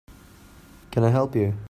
Can I help you?